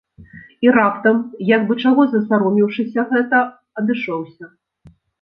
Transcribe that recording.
І раптам, як бы чаго засаромеўшыся гэта, адышоўся.